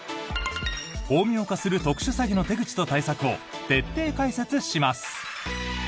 巧妙化する特殊詐欺の手口と対策を徹底解説します。